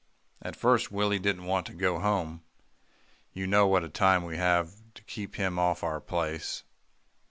"At first, Willie didn't want to go home. You know what a time we have to keep him off our place.